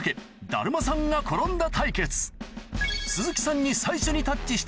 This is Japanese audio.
だるまさんが転んだ。